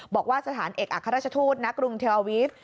บอกว่าสถานเอกอัครราชทูตณกรุงเทลอาวีฟ